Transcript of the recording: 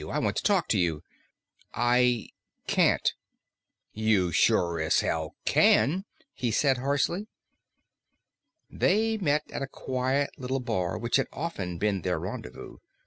I want to talk to you." "I can't." "You sure as hell can," he said harshly. They met at a quiet little bar which had often been their rendezvous.